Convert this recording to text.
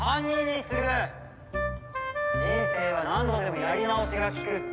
人生は何度でもやり直しが利く。